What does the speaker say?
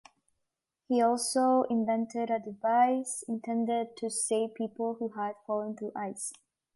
He also invented a device intended to save people who had fallen through ice.